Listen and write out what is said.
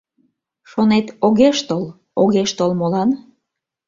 Шонет: «Огеш тол… Огеш тол молан?»